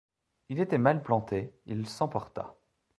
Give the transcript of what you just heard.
Il était mal planté, il s’emporta.